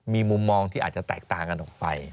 มีมุมมองที่อาจจะแตกต่างกันออกไป